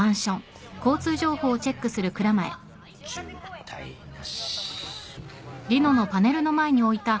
渋滞なし。